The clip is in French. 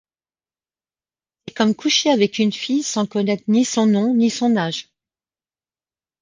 C'est comme coucher avec une fille sans connaitre ni son nom, ni son âge.